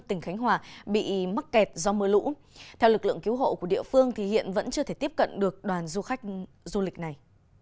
tỉnh khánh hòa bị mắc kẹt do mưa lũ theo lực lượng cứu hộ của địa phương thì hiện vẫn chưa thể tiếp cận được đoàn du khách du lịch này